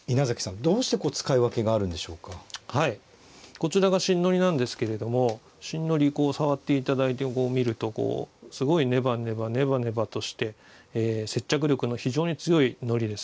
こちらが新糊なんですけれども新糊触って頂いてこう見るとすごいネバネバネバネバとして接着力の非常に強い糊です。